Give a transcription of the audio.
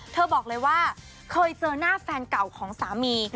เธอบอกเลยว่าเคยเจอหน้าแฟนเก่าของสามี